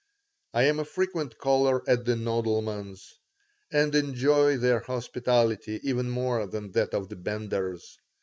I am a frequent caller at the Nodelmans', and enjoy their hospitality even more than that of the Benders.